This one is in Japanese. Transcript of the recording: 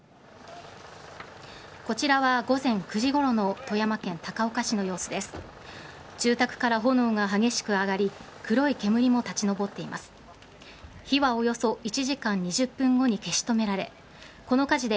こちらは午前９時ごろの富山県高岡市の様子です。